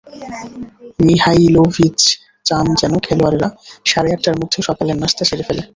Mihajlovic চান যেন খেলোয়াড়েরা সাড়ে আটটার মধ্যে সকালের নাশতা সেরে ফেলে।